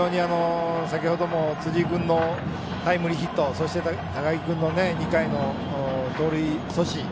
先程も辻井君のタイムリーヒットそして高木君の２回の盗塁阻止。